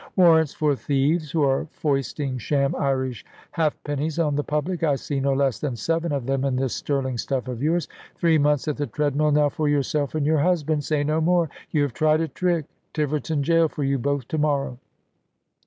"Warrants for thieves who are foisting sham Irish halfpennies on the public. I see no less than seven of them in this sterling stuff of yours. Three months at the treadmill now for yourself and your husband. Say no more. You have tried a trick. Tiverton jail for you both to morrow."